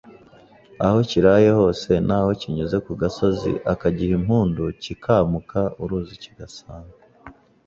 Aho kiraye hose N’aho kinyuze ku gasozi akagiha impundu Kikamuka uruzi Kigasanga